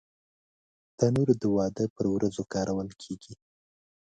تنور د واده پر ورځو کارول کېږي